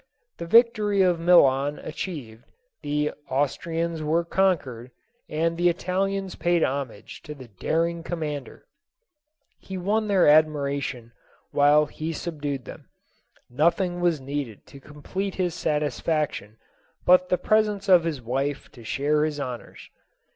The victory of Milan achieved, the Austrians were con quered, and the Italians paid homage to the daring commander; he won their admiration while he sub dued them ; nothing was needed to complete his satis faction but the presence of his wife to share his honors.